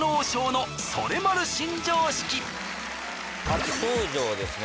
初登場ですね